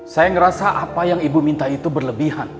saya ngerasa apa yang ibu minta itu berlebihan